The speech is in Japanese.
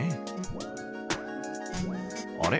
あれ？